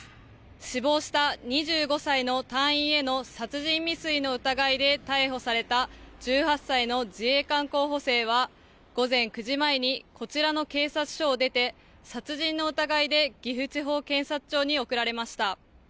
死亡した２５歳の隊員への殺人未遂の疑いで逮捕された１８歳の自衛官候補生は午前９時前にこちらの警察署を出て殺人の疑いで岐阜地方検察庁に送られました。